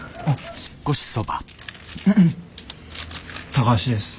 高橋です。